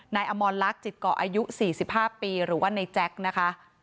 นายอมรลักษณ์จิตก่ออายุ๔๕ปีหรือว่าในแจ๊ก